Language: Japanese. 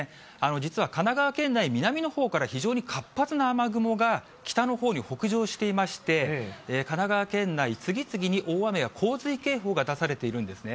実は神奈川県内、南のほうから非常に活発な雨雲が北のほうに北上していまして、神奈川県内、次々に大雨や洪水警報が出されているんですね。